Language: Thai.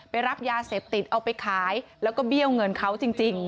รับยาเสพติดเอาไปขายแล้วก็เบี้ยวเงินเขาจริง